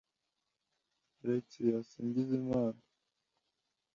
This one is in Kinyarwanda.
Alex Hasingizimana